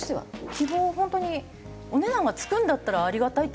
希望は本当にお値段が付くんだったらありがたいって感じですね。